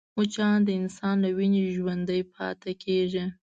مچان د انسان له وینې ژوندی پاتې کېږي